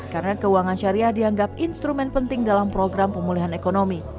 karena keuangan syariah dianggap instrumen penting dalam program pemulihan ekonomi